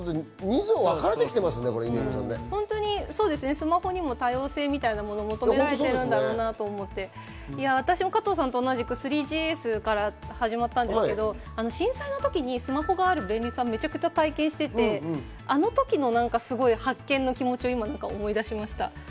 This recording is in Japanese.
スマホにも多様性みたいなのが求められているんだろうなと思って私も加藤さんと同じく３ＧＳから始まったんですけれども、震災のときにスマホがある便利さを体験していて、あの時の発見の気持ちを今、思い出しました。